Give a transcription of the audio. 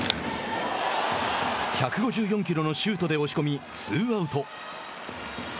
１５４キロのシュートで押し込み、ツーアウト。